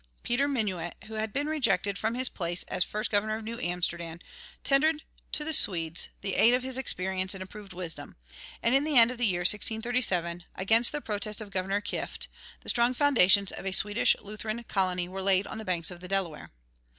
Peter Minuit, who had been rejected from his place as the first governor of New Amsterdam, tendered to the Swedes the aid of his experience and approved wisdom; and in the end of the year 1637, against the protest of Governor Kieft, the strong foundations of a Swedish Lutheran colony were laid on the banks of the Delaware.